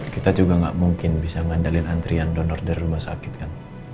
kita juga nggak mungkin bisa mengandalin antrian donor dari rumah sakit kan